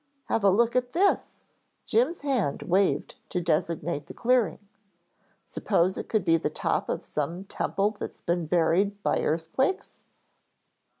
"Have a look at this," Jim's hand waved to designate the clearing. "Suppose it could be the top of some temple that's been buried by earthquakes?"